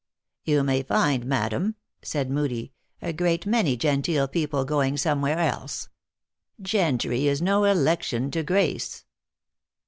" You may find, madam," said Moodie, " a great many genteel people going some where else. Gentry is no election to grace."